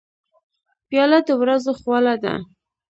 پیاله د ورځو خواله ده.